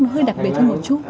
nó hơi đặc biệt hơn một chút